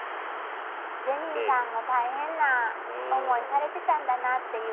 ジェニーさんも大変な思いされてたんだなっていう。